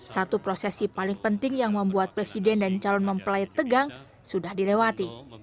satu prosesi paling penting yang membuat presiden dan calon mempelai tegang sudah dilewati